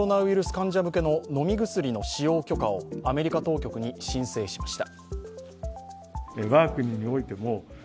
患者向けの飲み薬の使用許可をアメリカ当局に申請しました。